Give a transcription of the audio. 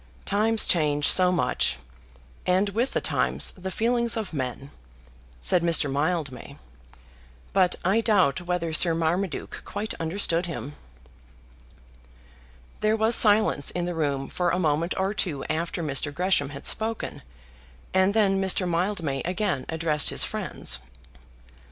"Times change so much, and with the times the feelings of men," said Mr. Mildmay. But I doubt whether Sir Marmaduke quite understood him. There was silence in the room for a moment or two after Mr. Gresham had spoken, and then Mr. Mildmay again addressed his friends.